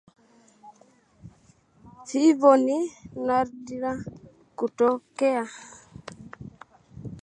Vifo ni nadra kutokea